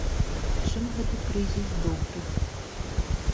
Чым гэты крызіс добры?